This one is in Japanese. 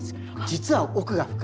実は奥が深い。